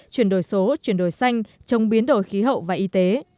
chuyển đổi số chuyển đổi xanh trong biến đổi khí hậu và y tế